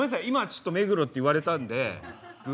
今ちょっと「目黒」って言われたんで偶然。